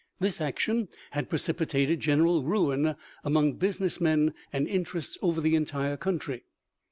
This action had precipitated general ruin among business men and interests over the entire country.